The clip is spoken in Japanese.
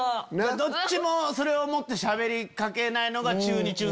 どっちもそれ思ってしゃべりかけないのが中２中３。